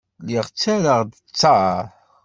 Lliɣ ttarraɣ-d ttaṛ.